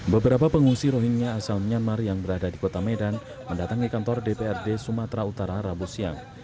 beberapa pengungsi rohingya asal myanmar yang berada di kota medan mendatangi kantor dprd sumatera utara rabu siang